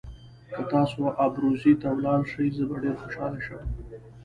که تاسي ابروزي ته ولاړ شئ زه به ډېر خوشاله شم.